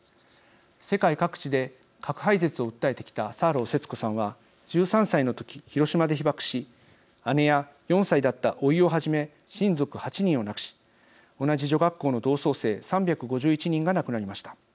世界各地で核廃絶を訴えてきたサーロー節子さんは１３歳の時、広島で被爆し姉や４歳だった、おいをはじめ親族８人を亡くし同じ女学校の同窓生３５１人が亡くなりました。